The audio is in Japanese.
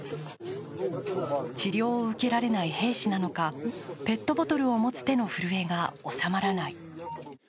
治療を受けられない兵士なのか、ペットボトルを持つ手の震えが収まらない。